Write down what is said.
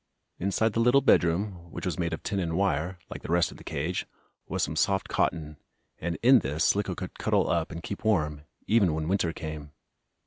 Inside the little bedroom, which was made of tin and wire, like the rest of the cage, was some soft cotton, and in this Slicko could cuddle up and keep warm, even when winter came.